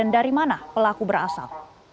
dimana pelaku berasal